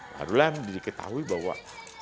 barulah yang diketahui bahwa